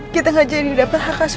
karena yeah sometimes saya masih